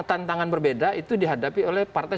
tantangan berbeda itu dihadapi oleh partai